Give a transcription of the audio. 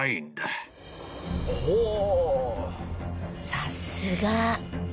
さすが。